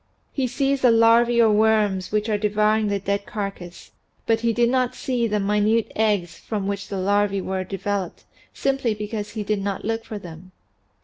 He sees the larvae or worms which are devouring the dead carcass, but he did not see the minute eggs from 207 208 THE SEVEN FOLLIES OF SCIENCE which the larvae were developed simply because he did not look for them.